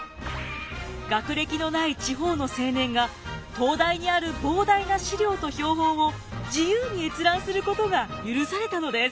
学歴のない地方の青年が東大にある膨大な資料と標本を自由に閲覧することが許されたのです。